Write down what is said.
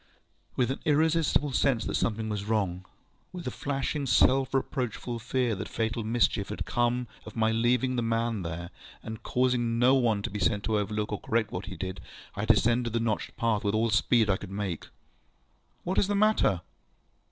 With an irresistible sense that something was wrong, ŌĆöwith a flashing self reproachful fear that fatal mischief had come of my leaving the man there, and causing no one to be sent to overlook or correct what he did, ŌĆöI descended the notched path with all the speed I could make. ŌĆ£What is the matter?